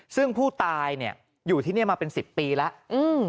ซึ่งผู้ตายอยู่ที่นี่มาเป็น๑๐ปีแล้ว